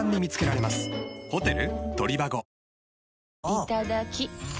いただきっ！